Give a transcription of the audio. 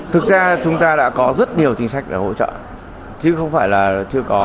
thực ra chúng ta đã có rất nhiều chính sách để hỗ trợ chứ không phải là chưa có